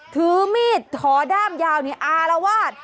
ถือมีดถอด้ามยาวอารวาส